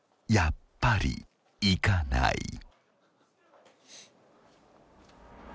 やっぱり行かない］